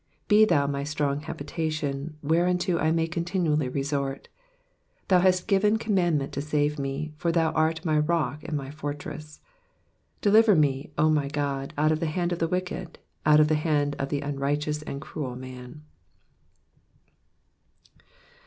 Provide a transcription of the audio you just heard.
3 Be thou my strong habitation, whereunto I may continu ally resort : thou hast given commandment to save me ; for thou art my rock and my fortress. 4 Deliver me, O my God, out of the hand of the wicked, out of the hand of the unrighteous and cruel man.